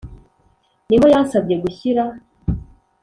ni ho yansabye gushyira